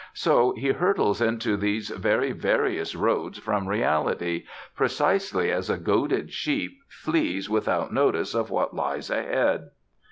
So he hurtles into these very various roads from reality, precisely as a goaded sheep flees without notice of what lies ahead....